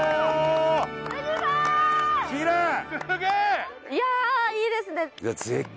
いやいいですね